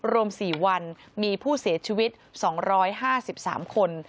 รวม๔วันมีผู้เสียชีวิต๒๕๓คน